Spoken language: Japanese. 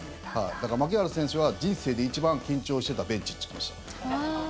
だから牧原選手は人生で一番緊張してたベンチって言ってました。